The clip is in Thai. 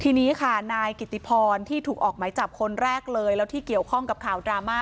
ทีนี้ค่ะนายกิติพรที่ถูกออกไหมจับคนแรกเลยแล้วที่เกี่ยวข้องกับข่าวดราม่า